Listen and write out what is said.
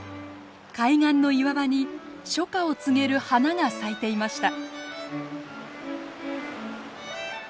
海岸の岩場に初夏を告げる花が咲いていました。